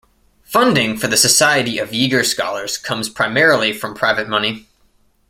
Funding for the Society of Yeager Scholars comes primarily from private money.